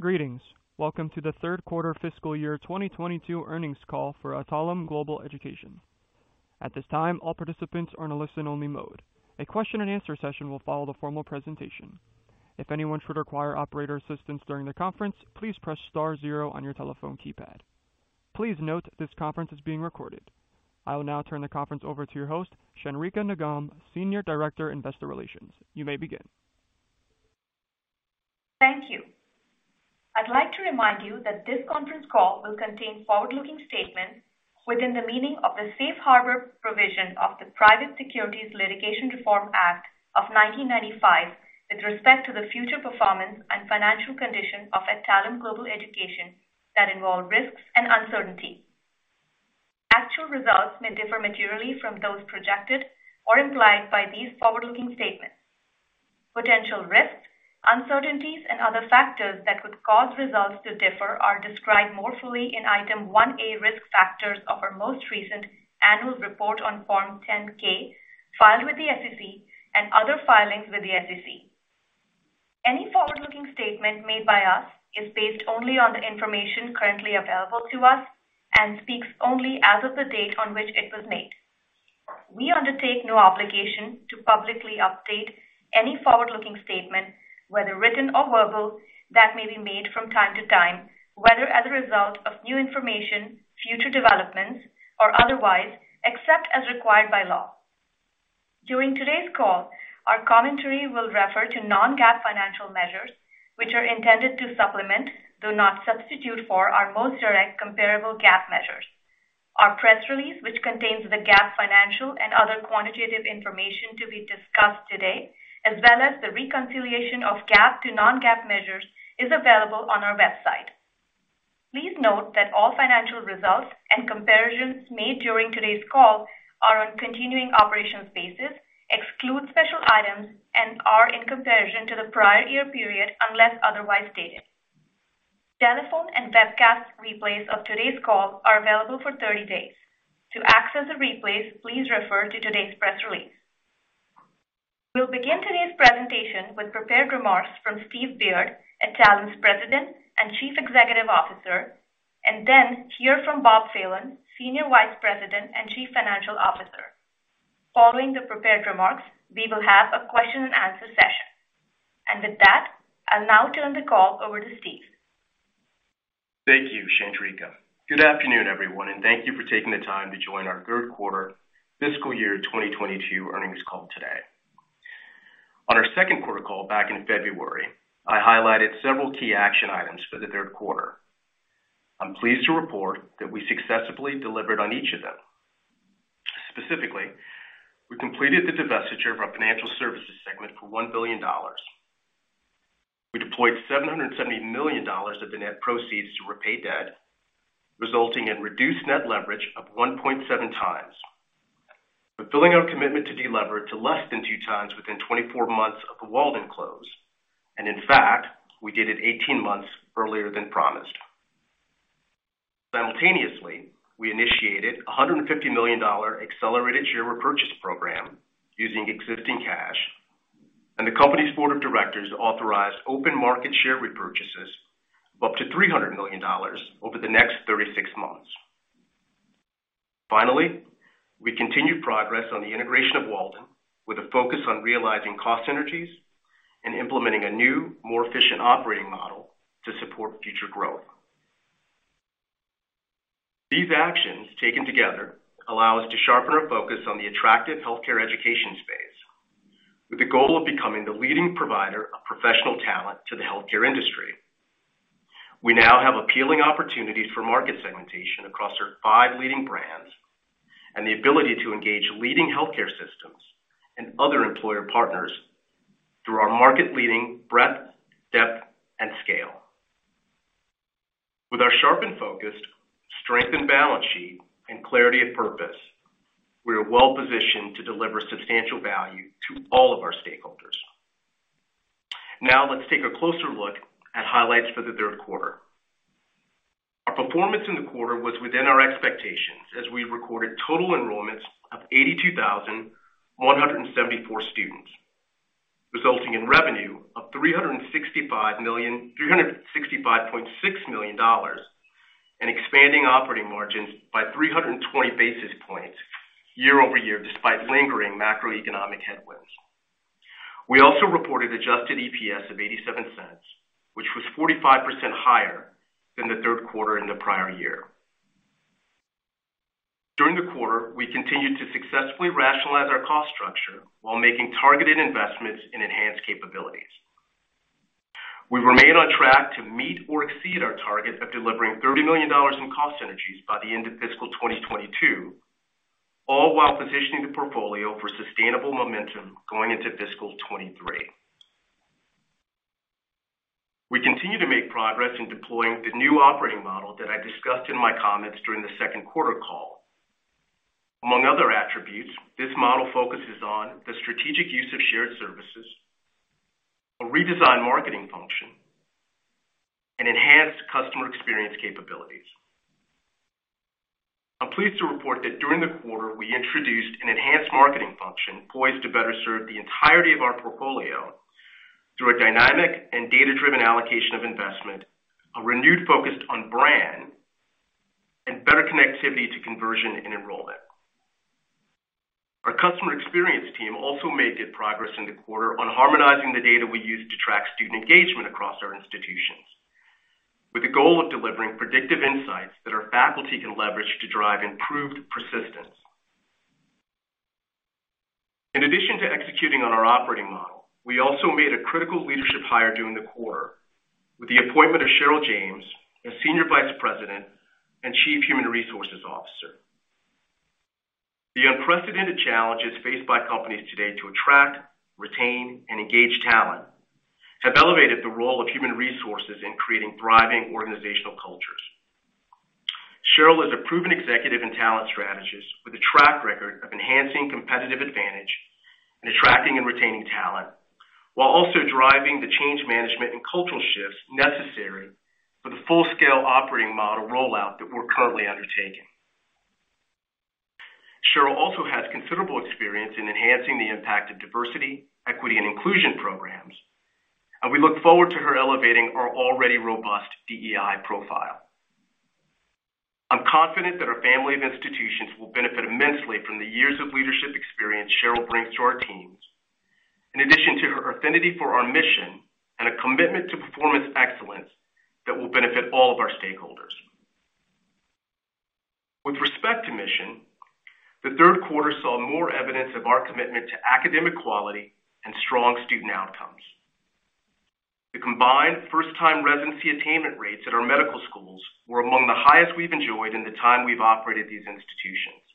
Greetings. Welcome to the third quarter fiscal year 2022 earnings call for Adtalem Global Education. At this time, all participants are in a listen-only mode. A question-and-answer session will follow the formal presentation. If anyone should require operator assistance during the conference, please press * zero on your telephone keypad. Please note this conference is being recorded. I will now turn the conference over to your host, Chandrika Nagam, Senior Director, Investor Relations. You may begin. Thank you. I'd like to remind you that this conference call will contain forward-looking statements within the meaning of the safe harbor provision of the Private Securities Litigation Reform Act of nineteen ninety-five, with respect to the future performance and financial condition of Adtalem Global Education that involve risks and uncertainty. Actual results may differ materially from those projected or implied by these forward-looking statements. Potential risks, uncertainties, and other factors that could cause results to differ are described more fully in Item 1A, Risk Factors of our most recent annual report on Form 10-K, filed with the SEC and other filings with the SEC. Any forward-looking statement made by us is based only on the information currently available to us and speaks only as of the date on which it was made. We undertake no obligation to publicly update any forward-looking statement, whether written or verbal, that may be made from time to time, whether as a result of new information, future developments, or otherwise, except as required by law. During today's call, our commentary will refer to non-GAAP financial measures, which are intended to supplement, though not substitute for, our most direct comparable GAAP measures. Our press release, which contains the GAAP financial and other quantitative information to be discussed today, as well as the reconciliation of GAAP to non-GAAP measures, is available on our website. Please note that all financial results and comparisons made during today's call are on continuing operations basis, exclude special items, and are in comparison to the prior year period unless otherwise stated. Telephone and webcast replays of today's call are available for 30 days. To access the replays, please refer to today's press release. We'll begin today's presentation with prepared remarks from Steve Beard, Adtalem's Chairman and Chief Executive Officer, and then hear from Bob Phelan, Senior Vice President and Chief Financial Officer. Following the prepared remarks, we will have a question-and-answer session. With that, I'll now turn the call over to Steve. Thank you, Chandrika. Good afternoon, everyone, and thank you for taking the time to join our third quarter fiscal year 2022 earnings call today. On our second quarter call back in February, I highlighted several key action items for the third quarter. I'm pleased to report that we successfully delivered on each of them. Specifically, we completed the divestiture of our financial services segment for $1 billion. We deployed $770 million of the net proceeds to repay debt, resulting in reduced net leverage of 1.7 times. Fulfilling our commitment to delever to less than 2 times within 24 months of the Walden close. In fact, we did it 18 months earlier than promised. Simultaneously, we initiated a $150 million accelerated share repurchase program using existing cash, and the company's board of directors authorized open market share repurchases of up to $300 million over the next 36 months. Finally, we continued progress on the integration of Walden with a focus on realizing cost synergies and implementing a new, more efficient operating model to support future growth. These actions, taken together, allow us to sharpen our focus on the attractive healthcare education space with the goal of becoming the leading provider of professional talent to the healthcare industry. We now have appealing opportunities for market segmentation across our five leading brands and the ability to engage leading healthcare systems and other employer partners through our market-leading breadth, depth, and scale. With our sharpened focus, strengthened balance sheet, and clarity of purpose, we are well-positioned to deliver substantial value to all of our stakeholders. Now let's take a closer look at highlights for the third quarter. Our performance in the quarter was within our expectations as we recorded total enrollments of 82,174 students, resulting in revenue of $365.6 million and expanding operating margins by 320 basis points year-over-year, despite lingering macroeconomic headwinds. We also reported adjusted EPS of $0.87, which was 45% higher than the third quarter in the prior year. During the quarter, we continued to successfully rationalize our cost structure while making targeted investments in enhanced capabilities. We remain on track to meet or exceed our target of delivering $30 million in cost synergies by the end of fiscal 2022, all while positioning the portfolio for sustainable momentum going into fiscal 2023. We continue to make progress in deploying the new operating model that I discussed in my comments during the second quarter call. Among other attributes, this model focuses on the strategic use of shared services, a redesigned marketing function, and enhanced customer experience capabilities. I'm pleased to report that during the quarter, we introduced an enhanced marketing function poised to better serve the entirety of our portfolio through a dynamic and data-driven allocation of investment, a renewed focus on brand, and better connectivity to conversion and enrollment. Our customer experience team also made good progress in the quarter on harmonizing the data we use to track student engagement across our institutions with the goal of delivering predictive insights that our faculty can leverage to drive improved persistence. In addition to executing on our operating model, we also made a critical leadership hire during the quarter with the appointment of Cheryl James as Senior Vice President and Chief Human Resources Officer. The unprecedented challenges faced by companies today to attract, retain, and engage talent have elevated the role of human resources in creating thriving organizational cultures. Cheryl is a proven executive and talent strategist with a track record of enhancing competitive advantage and attracting and retaining talent, while also driving the change management and cultural shifts necessary for the full-scale operating model rollout that we're currently undertaking. Cheryl also has considerable experience in enhancing the impact of diversity, equity, and inclusion programs, and we look forward to her elevating our already robust DEI profile. I'm confident that our family of institutions will benefit immensely from the years of leadership experience Cheryl brings to our teams, in addition to her affinity for our mission and a commitment to performance excellence that will benefit all of our stakeholders. With respect to mission, the third quarter saw more evidence of our commitment to academic quality and strong student outcomes. The combined first-time residency attainment rates at our medical schools were among the highest we've enjoyed in the time we've operated these institutions.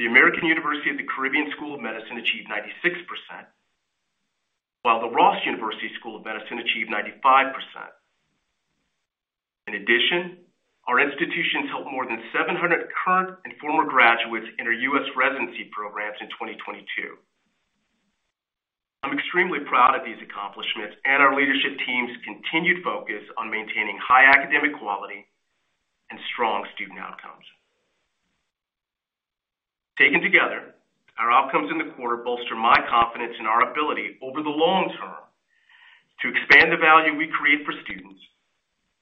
The American University of the Caribbean School of Medicine achieved 96%, while the Ross University School of Medicine achieved 95%. In addition, our institutions helped more than 700 current and former graduates enter U.S. residency programs in 2022. I'm extremely proud of these accomplishments and our leadership team's continued focus on maintaining high academic quality and strong student outcomes. Taken together, our outcomes in the quarter bolster my confidence in our ability over the long term to expand the value we create for students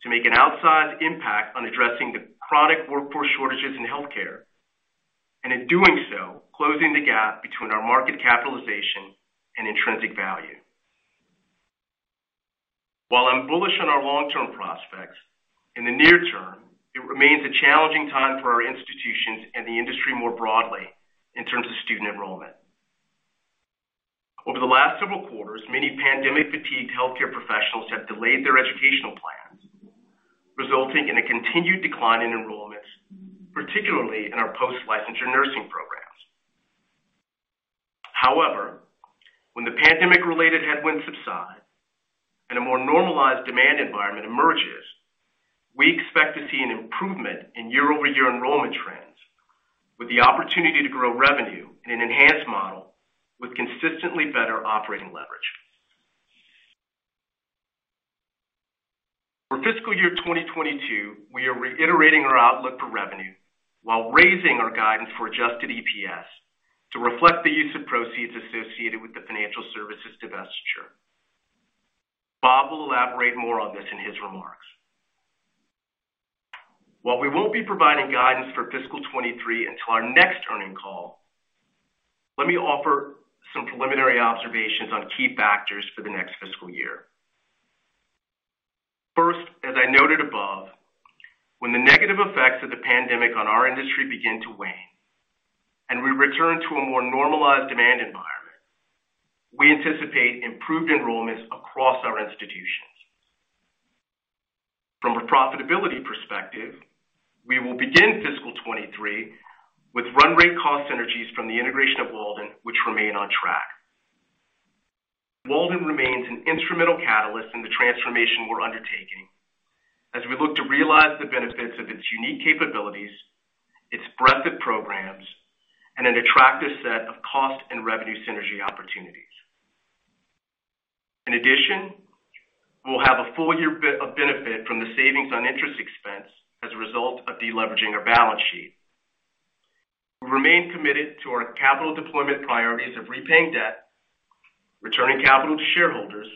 to make an outsized impact on addressing the chronic workforce shortages in healthcare, and in doing so, closing the gap between our market capitalization and intrinsic value. While I'm bullish on our long-term prospects, in the near term, it remains a challenging time for our institutions and the industry more broadly in terms of student enrollment. Over the last several quarters, many pandemic-fatigued healthcare professionals have delayed their educational plans, resulting in a continued decline in enrollments, particularly in our post-licensure nursing programs. However, when the pandemic-related headwinds subside and a more normalized demand environment emerges, we expect to see an improvement in year-over-year enrollment trends with the opportunity to grow revenue in an enhanced model with consistently better operating leverage. For fiscal year 2022, we are reiterating our outlook for revenue while raising our guidance for adjusted EPS to reflect the use of proceeds associated with the financial services divestiture. Bob will elaborate more on this in his remarks. While we won't be providing guidance for fiscal 2023 until our next earnings call, let me offer some preliminary observations on key factors for the next fiscal year. First, as I noted above, when the negative effects of the pandemic on our industry begin to wane and we return to a more normalized demand environment, we anticipate improved enrollments across our institutions. From a profitability perspective, we will begin fiscal 2023 with run rate cost synergies from the integration of Walden, which remain on track. Walden remains an instrumental catalyst in the transformation we're undertaking as we look to realize the benefits of its unique capabilities, its breadth of programs, and an attractive set of cost and revenue synergy opportunities. In addition, we'll have a full year of benefit from the savings on interest expense as a result of deleveraging our balance sheet. We remain committed to our capital deployment priorities of repaying debt, returning capital to shareholders,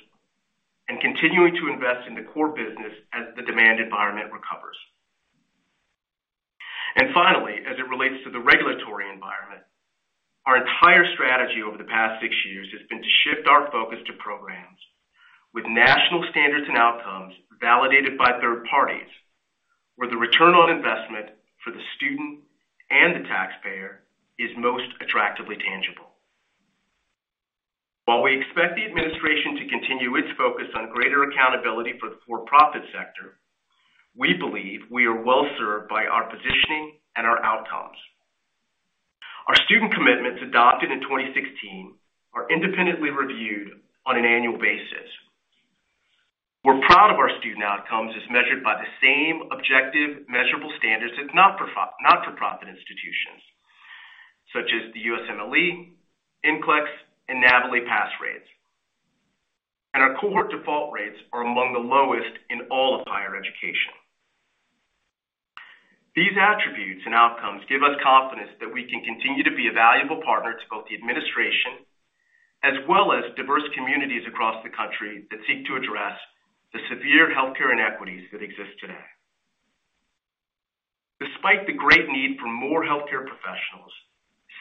and continuing to invest in the core business as the demand environment recovers. Finally, as it relates to the regulatory environment, our entire strategy over the past six years has been to shift our focus to programs with national standards and outcomes validated by third parties, where the return on investment for the student and the taxpayer is most attractively tangible. While we expect the administration to continue its focus on greater accountability for the for-profit sector, we believe we are well served by our positioning and our outcomes. Our student commitments adopted in 2016 are independently reviewed on an annual basis. We're proud of our student outcomes as measured by the same objective, measurable standards as not-for-profit institutions, such as the USMLE, NCLEX, and NAVLE pass rates. Our cohort default rates are among the lowest in all of higher education. These attributes and outcomes give us confidence that we can continue to be a valuable partner to both the administration as well as diverse communities across the country that seek to address the severe healthcare inequities that exist today. Despite the great need for more healthcare professionals,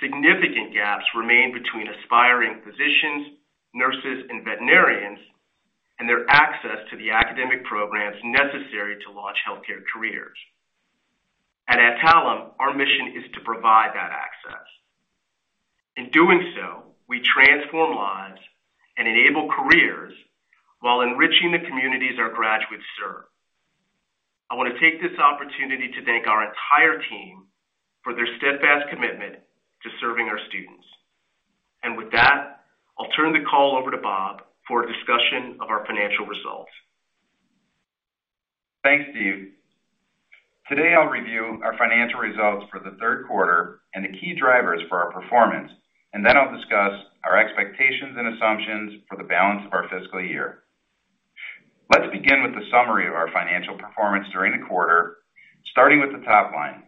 significant gaps remain between aspiring physicians, nurses and veterinarians and their access to the academic programs necessary to launch healthcare careers. At Adtalem, our mission is to provide that access. In doing so, we transform lives and enable careers while enriching the communities our graduates serve. I want to take this opportunity to thank our entire team for their steadfast commitment to serving our students. With that, I'll turn the call over to Bob for a discussion of our financial results. Thanks, Steve. Today, I'll review our financial results for the third quarter and the key drivers for our performance, and then I'll discuss our expectations and assumptions for the balance of our fiscal year. Let's begin with the summary of our financial performance during the quarter, starting with the top line.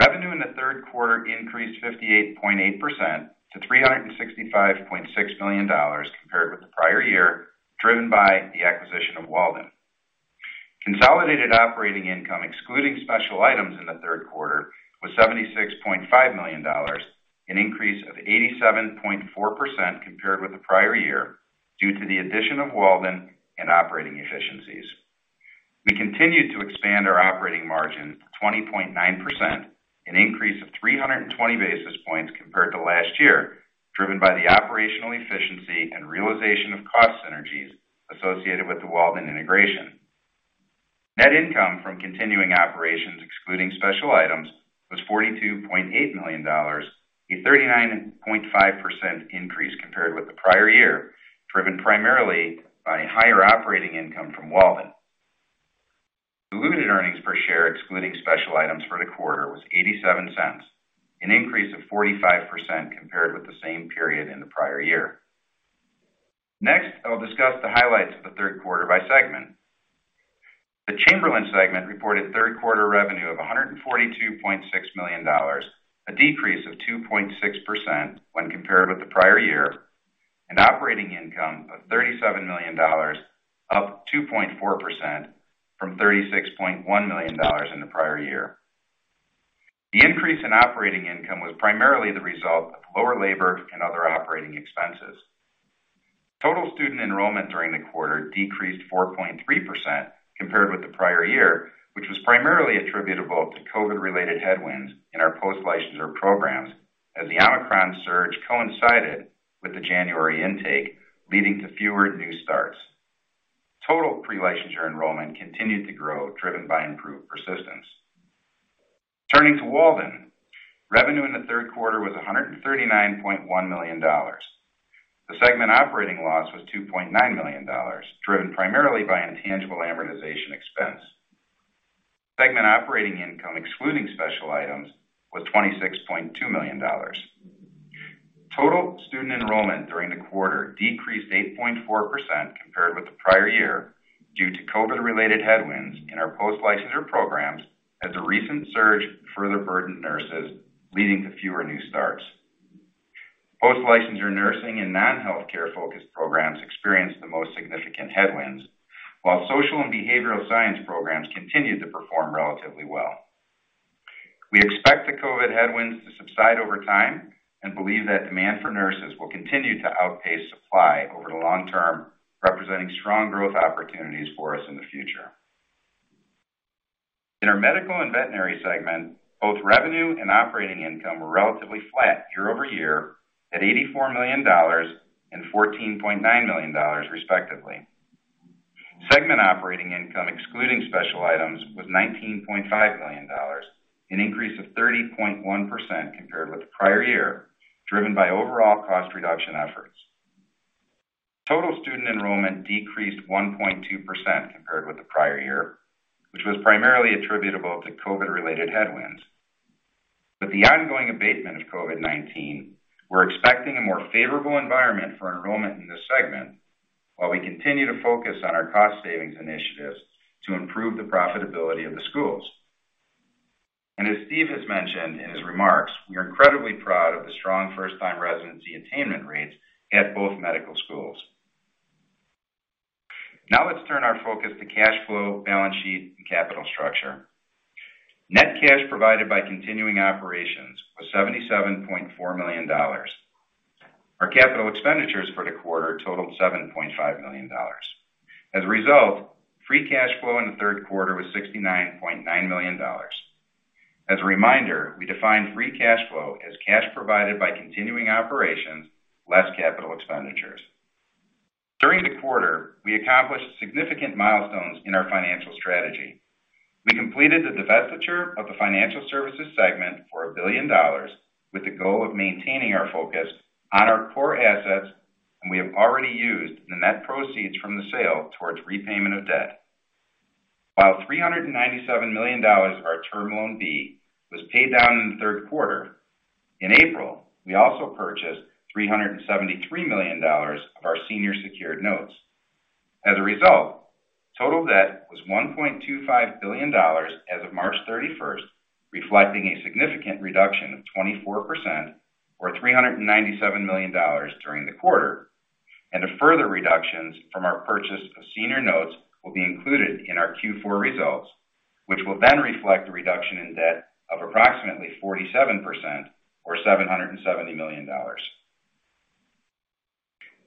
Revenue in the third quarter increased 58.8% to $365.6 million compared with the prior year, driven by the acquisition of Walden. Consolidated operating income, excluding special items in the third quarter, was $76.5 million, an increase of 87.4% compared with the prior year, due to the addition of Walden and operating efficiencies. We continued to expand our operating margin to 20.9%, an increase of 320 basis points compared to last year, driven by the operational efficiency and realization of cost synergies associated with the Walden integration. Net income from continuing operations, excluding special items, was $42.8 million, a 39.5% increase compared with the prior year, driven primarily by higher operating income from Walden. Diluted earnings per share, excluding special items for the quarter, was $0.87, an increase of 45% compared with the same period in the prior year. Next, I'll discuss the highlights of the third quarter by segment. The Chamberlain segment reported third quarter revenue of $142.6 million, a decrease of 2.6% when compared with the prior year, and operating income of $37 million, up 2.4% from $36.1 million in the prior year. The increase in operating income was primarily the result of lower labor and other operating expenses. Total student enrollment during the quarter decreased 4.3% compared with the prior year, which was primarily attributable to COVID-related headwinds in our post-licensure programs as the Omicron surge coincided with the January intake, leading to fewer new starts. Total pre-licensure enrollment continued to grow, driven by improved persistence. Turning to Walden, revenue in the third quarter was $139.1 million. The segment operating loss was $2.9 million, driven primarily by an intangible amortization expense. Segment operating income, excluding special items, was $26.2 million. Total student enrollment during the quarter decreased 8.4% compared with the prior year due to COVID-related headwinds in our post-licensure programs as a recent surge further burdened nurses, leading to fewer new starts. Post-licensure nursing and non-healthcare-focused programs experienced the most significant headwinds, while social and behavioral science programs continued to perform relatively well. We expect the COVID headwinds to subside over time and believe that demand for nurses will continue to outpace supply over the long term, representing strong growth opportunities for us in the future. In our medical and veterinary segment, both revenue and operating income were relatively flat year-over-year at $84 million and $14.9 million, respectively. Segment operating income, excluding special items, was $19.5 million, an increase of 30.1% compared with the prior year, driven by overall cost reduction efforts. Total student enrollment decreased 1.2% compared with the prior year, which was primarily attributable to COVID-related headwinds. With the ongoing abatement of COVID-19, we're expecting a more favorable environment for enrollment in this segment while we continue to focus on our cost savings initiatives to improve the profitability of the schools. As Steve has mentioned in his remarks, we are incredibly proud of the strong first-time residency attainment rates at both medical schools. Now let's turn our focus to cash flow, balance sheet, and capital structure. Net cash provided by continuing operations was $77.4 million. Our capital expenditures for the quarter totaled $7.5 million. As a result, free cash flow in the third quarter was $69.9 million. As a reminder, we define free cash flow as cash provided by continuing operations, less capital expenditures. During the quarter, we accomplished significant milestones in our financial strategy. We completed the divestiture of the financial services segment for $1 billion with the goal of maintaining our focus on our core assets, and we have already used the net proceeds from the sale towards repayment of debt. While $397 million of our Term Loan B was paid down in the third quarter, in April, we also purchased $373 million of our senior secured notes. As a result, total debt was $1.25 billion as of March 31, reflecting a significant reduction of 24% or $397 million during the quarter. The further reductions from our purchase of senior notes will be included in our Q4 results, which will then reflect a reduction in debt of approximately 47% or $770 million.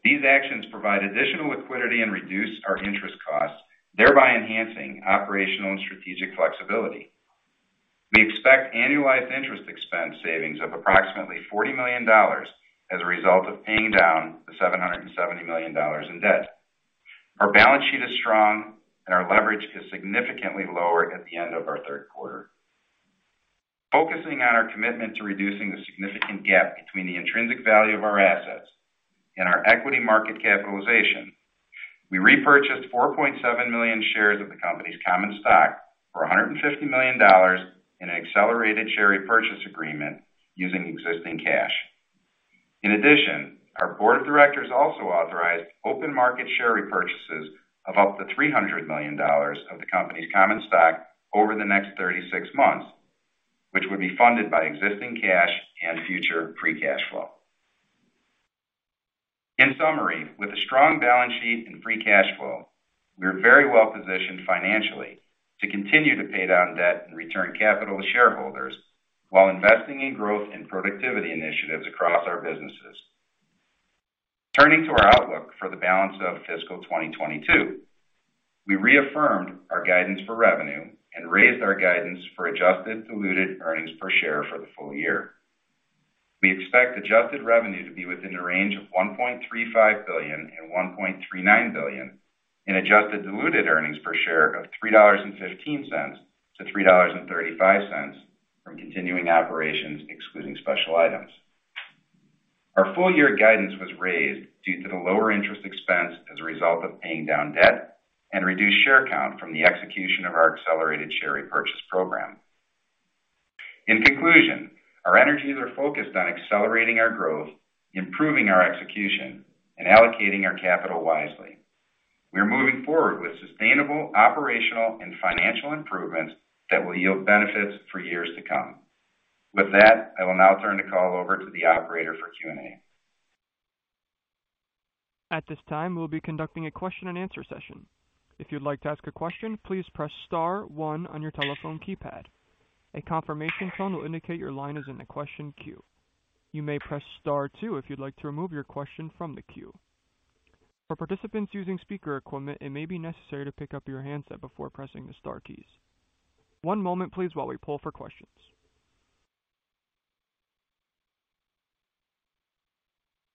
These actions provide additional liquidity and reduce our interest costs, thereby enhancing operational and strategic flexibility. We expect annualized interest expense savings of approximately $40 million as a result of paying down the $770 million in debt. Our balance sheet is strong, and our leverage is significantly lower at the end of our third quarter. Focusing on our commitment to reducing the significant gap between the intrinsic value of our assets and our equity market capitalization, we repurchased 4.7 million shares of the company's common stock for $150 million in an accelerated share repurchase agreement using existing cash. In addition, our board of directors also authorized open market share repurchases of up to $300 million of the company's common stock over the next 36 months, which would be funded by existing cash and future free cash flow. In summary, with a strong balance sheet and free cash flow, we're very well positioned financially to continue to pay down debt and return capital to shareholders while investing in growth and productivity initiatives across our businesses. Turning to our outlook for the balance of fiscal 2022. We reaffirmed our guidance for revenue and raised our guidance for adjusted diluted earnings per share for the full year. We expect adjusted revenue to be within a range of $1.35 billion-$1.39 billion in adjusted diluted earnings per share of $3.15-$3.35 from continuing operations, excluding special items. Our full year guidance was raised due to the lower interest expense as a result of paying down debt and reduced share count from the execution of our accelerated share repurchase program. In conclusion, our energies are focused on accelerating our growth, improving our execution, and allocating our capital wisely. We're moving forward with sustainable operational and financial improvements that will yield benefits for years to come. With that, I will now turn the call over to the operator for Q&A. At this time, we'll be conducting a question and answer session. If you'd like to ask a question, please press * one on your telephone keypad. A confirmation tone will indicate your line is in the question queue. You may press * two if you'd like to remove your question from the queue. For participants using speaker equipment, it may be necessary to pick up your handset before pressing the * keys. One moment please while we pull for questions.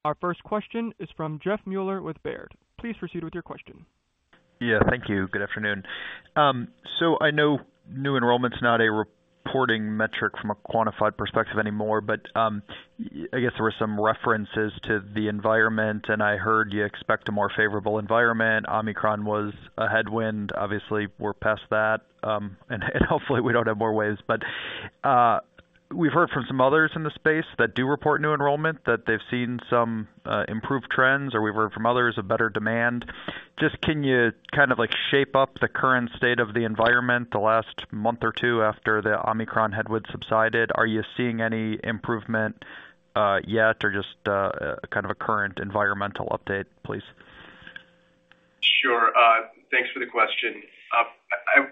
Our first question is from Jeff Meuler with Baird. Please proceed with your question. Yeah, thank you. Good afternoon. I know new enrollment's not a reporting metric from a quantified perspective anymore, but I guess there were some references to the environment, and I heard you expect a more favorable environment. Omicron was a headwind. Obviously, we're past that, and hopefully, we don't have more waves. But we've heard from some others in the space that do report new enrollment that they've seen some improved trends or we've heard from others, a better demand. Just can you kind of, like, shape up the current state of the environment the last month or two after the Omicron headwind subsided? Are you seeing any improvement yet, or just kind of a current environmental update, please? Sure. Thanks for the question.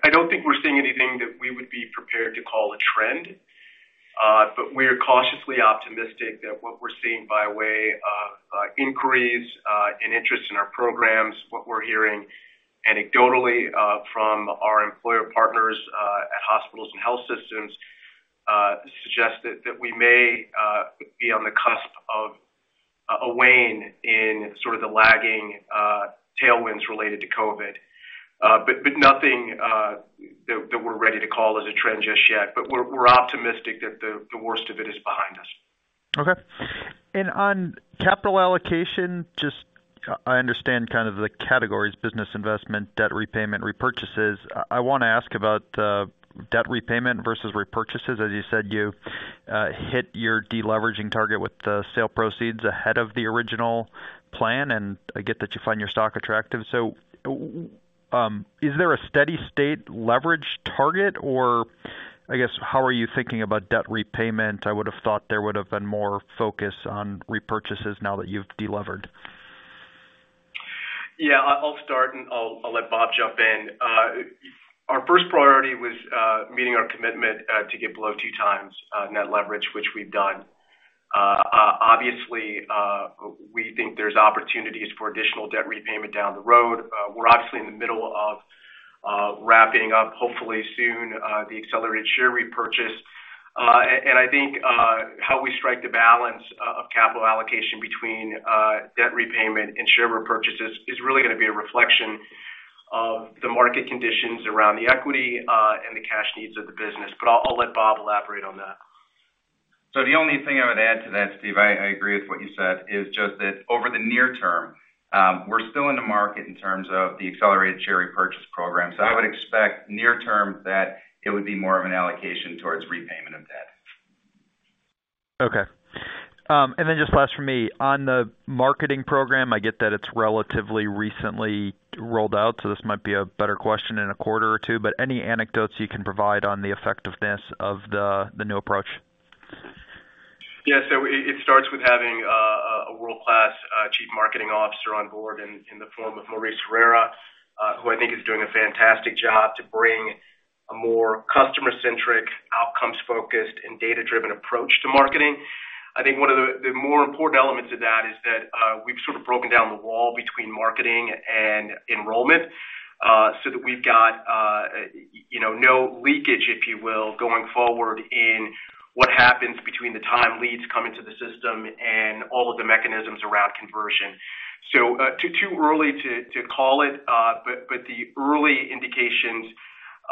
I don't think we're seeing anything that we would be prepared to call a trend, but we're cautiously optimistic that what we're seeing by way of inquiries and interest in our programs, what we're hearing anecdotally from our employer partners at hospitals and health systems, suggest that we may be on the cusp of a wane in sort of the lagging tailwinds related to COVID. Nothing that we're ready to call as a trend just yet. We're optimistic that the worst of it is behind us. Okay. On capital allocation, just I understand kind of the categories, business investment, debt repayment, repurchases. I wanna ask about debt repayment versus repurchases. As you said, you hit your deleveraging target with the sale proceeds ahead of the original plan, and I get that you find your stock attractive. Is there a steady-state leverage target, or I guess, how are you thinking about debt repayment? I would've thought there would've been more focus on repurchases now that you've delevered. Yeah. I'll start, and I'll let Bob jump in. Our first priority was meeting our commitment to get below 2x net leverage, which we've done. Obviously, we think there's opportunities for additional debt repayment down the road. We're obviously in the middle of wrapping up, hopefully soon, the accelerated share repurchase. I think how we strike the balance of capital allocation between debt repayment and share repurchases is really gonna be a reflection of the market conditions around the equity and the cash needs of the business. I'll let Bob elaborate on that. The only thing I would add to that, Steve, I agree with what you said, is just that over the near term, we're still in the market in terms of the accelerated share repurchase program. I would expect near term that it would be more of an allocation towards repayment of debt. Okay. Just last from me, on the marketing program, I get that it's relatively recently rolled out, so this might be a better question in a quarter or two, but any anecdotes you can provide on the effectiveness of the new approach? It starts with having a world-class chief marketing officer on board in the form of Mauricio Herrera, who I think is doing a fantastic job to bring a more customer-centric, outcomes-focused, and data-driven approach to marketing. I think one of the more important elements of that is that we've sort of broken down the wall between marketing and enrollment so that we've got you know no leakage, if you will, going forward in what happens between the time leads come into the system and all of the mechanisms around conversion. Too early to call it, but the early indications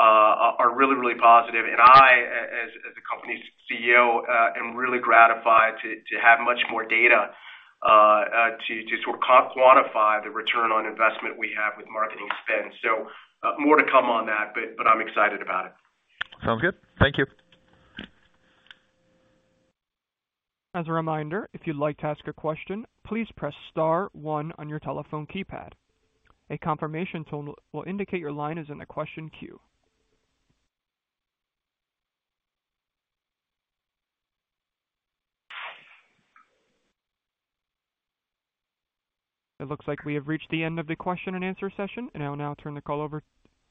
are really positive. I, as the company's CEO, am really gratified to have much more data to sort of quantify the return on investment we have with marketing spend. More to come on that, but I'm excited about it. Sounds good. Thank you. As a reminder, if you'd like to ask a question, please press * one on your telephone keypad. A confirmation tone will indicate your line is in the question queue. It looks like we have reached the end of the question and answer session, and I will now turn the call over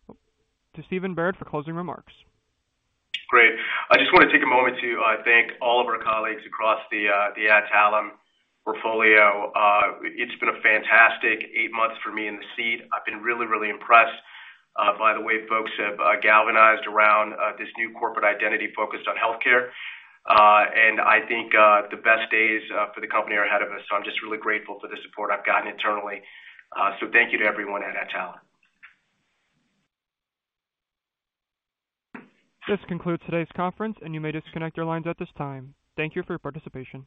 to Steve Beard for closing remarks. Great. I just wanna take a moment to thank all of our colleagues across the Adtalem portfolio. It's been a fantastic eight months for me in the seat. I've been really, really impressed by the way folks have galvanized around this new corporate identity focused on healthcare. I think the best days for the company are ahead of us. I'm just really grateful for the support I've gotten internally. Thank you to everyone at Adtalem. This concludes today's conference, and you may disconnect your lines at this time. Thank you for your participation.